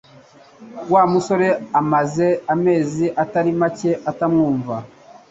Wa musore amaze amezi atari make atamwumva